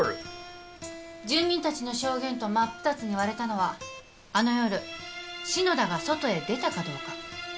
住民たちの証言と真っ二つに割れたのはあの夜篠田が外へ出たかどうか。